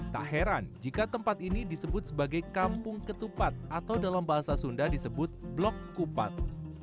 tak heran jika tempat ini disebut sebagai kampung ketupat atau dalam bahasa sunda disebut blok kupat